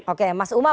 oke mas umam